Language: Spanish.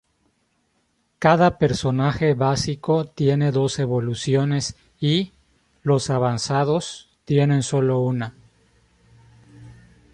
Cada personaje básico tiene dos evoluciones y, los avanzados, tienen solo una.